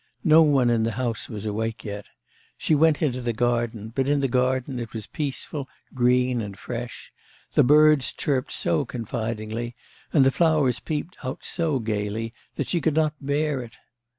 No one in the house was awake yet. She went into the garden, but in the garden it was peaceful, green, and fresh; the birds chirped so confidingly, and the flowers peeped out so gaily that she could not bear it.